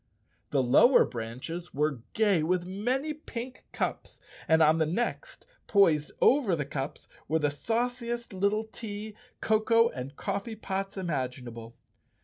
The lower branches were gay with many pink cups and on the next, poised over the cups, were the sauci¬ est little tea, cocoa and coffee pots imaginable.